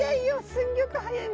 すんギョく速い。